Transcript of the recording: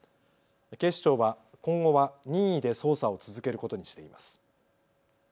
警視庁は今後は任意で捜査を続けることにしています。